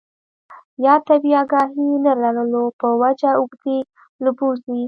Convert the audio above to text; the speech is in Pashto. يا طبي اګاهي نۀ لرلو پۀ وجه اوږدې له بوځي